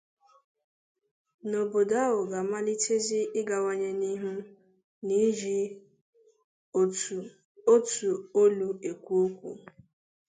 na obodo ahụ ga-amalitezị ịgawanye n'ihu na iji otu olu ekwu okwu